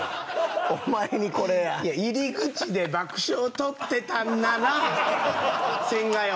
お前にこれや入り口で爆笑取ってたんなら千賀よ